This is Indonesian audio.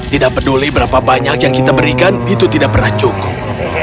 tidak peduli berapa banyak yang kita berikan itu tidak pernah cukup